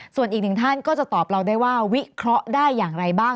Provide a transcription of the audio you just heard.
ส่วนอีกหนึ่งท่านก็จะตอบเราได้ว่าวิเคราะห์ได้อย่างไรบ้าง